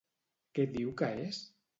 Què diu que és?